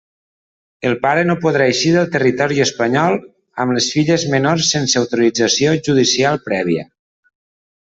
El pare no podrà eixir del territori espanyol amb les filles menors sense autorització judicial prèvia.